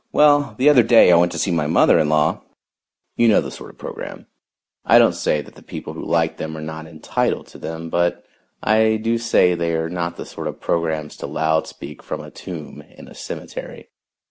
Well, the other day I went to see my mother in law " You know the sort of program. I don't say that the people who like them are not entitled to them, but I do say they are not the sort of programs to loud speak from a tomb in a cemetery.